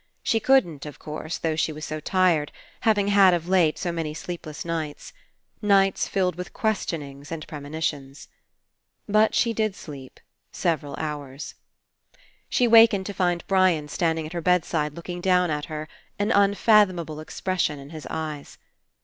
She couldn't, of course, though she was so tired, having had, of late, so many sleepless nights. Nights filled with questionings and premoni tions. But she did sleep — several hours. She wakened to find Brian standing at 156 FINALE her bedside looking down at her, an unfathom able expression in his eyes.